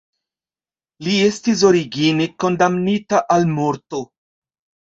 Li estis origine kondamnita al morto.